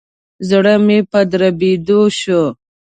زړه مي په دربېدو شو.